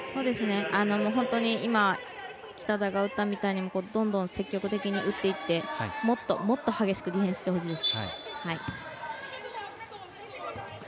本当に今北田が打ったみたいにどんどん積極的に打っていってもっと、もっと激しくディフェンスしてほしいです。